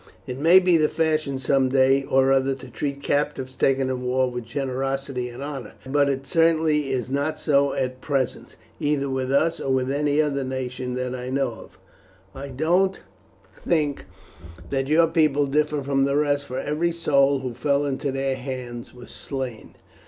It may be the fashion some day or other to treat captives taken in war with generosity and honour, but it certainly is not so at present, either with us or with any other nation that I know of. I don't think that your people differ from the rest, for every soul who fell into their hands was slain."